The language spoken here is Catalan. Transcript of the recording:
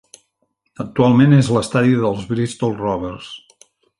Actualment és l'estadi dels Bristol Rovers.